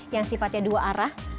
yang sifatnya dua arah